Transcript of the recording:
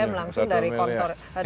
satu m langsung dari kantor